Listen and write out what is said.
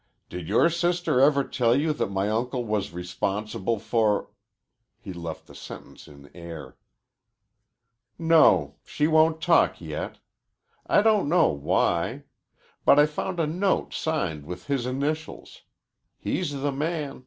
"Did your sister ever tell you that my uncle was responsible for ?" He left the sentence in air. "No, she won't talk yet. I don't know why. But I found a note signed with his initials. He's the man.